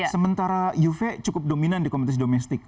sementara juve cukup dominan di kompetisi domestik